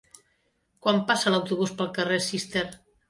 Quan passa l'autobús pel carrer Cister?